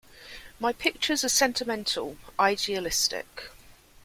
My pictures are sentimental, idealistic.